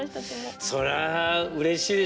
そりゃうれしいでしょうね。